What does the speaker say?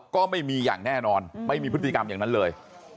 ก็ไม่มีอย่างแน่นอนไม่มีพฤติกรรมอย่างนั้นเลย